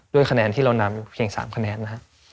คะแนนที่เรานำเพียง๓คะแนนนะฮะ